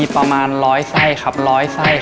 ประมาณร้อยไส้ครับร้อยไส้ครับ